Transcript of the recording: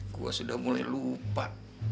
gue sudah mulai lupa